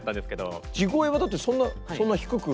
地声はだってそんなそんな低く。